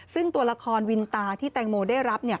ซึ่งตัวละครวินตาที่แตงโมได้รับ